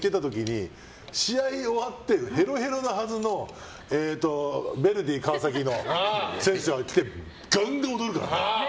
あそこに行ってた時に試合が終わってへろへろなはずのヴェルディ川崎の選手たちが来てガンガン踊るから。